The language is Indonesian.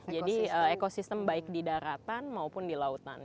jadi ekosistem baik di daratan maupun di lautan